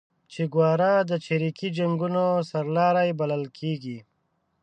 چیګوارا د چریکي جنګونو سرلاری بللل کیږي